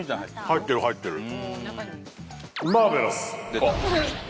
入ってる入ってる。